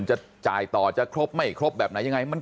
บอกแล้วบอกแล้วบอกแล้วบอกแล้วบอกแล้ว